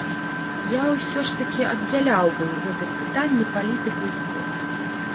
Я ўсё ж такі аддзяляў бы ў гэтым пытанні палітыку і спорт.